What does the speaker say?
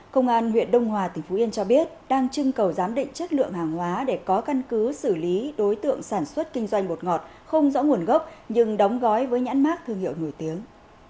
công an huyện đông hòa tỉnh phú yên cho biết đang chưng cầu giám định chất lượng hàng hóa để có căn cứ xử lý đối tượng sản xuất kinh doanh bột ngọt không rõ nguồn gốc nhưng đóng gói với nhãn mát thương hiệu nổi tiếng